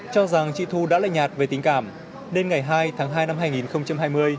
cho rằng chị thu đã lệ nhạt về tình cảm nên ngày hai tháng hai năm hai nghìn hai mươi